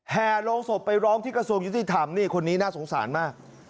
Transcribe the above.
แห่โรงศพไปร้องที่กระทรวงยุติธรรมนี่คนนี้น่าสงสารมาก